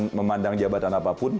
tidak memandang jabatan apapun